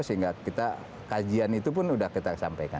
sehingga kita kajian itupun sudah kita sampaikan